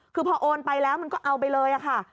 คือพอโอนไปแล้วมันก็เอาไปเลยค่ะ